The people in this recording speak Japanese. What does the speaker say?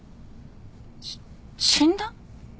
し死んだ？